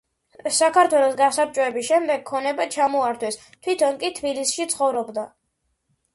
საქართველოს გასაბჭოების შემდეგ ქონება ჩამოართვეს, თვითონ კი თბილისში ცხოვრობდა.